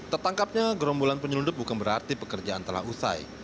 tertangkapnya gerombolan penyelundup bukan berarti pekerjaan telah usai